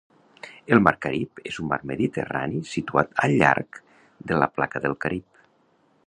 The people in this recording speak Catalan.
El mar Carib és un mar mediterrani situat al llarg de la placa del Carib.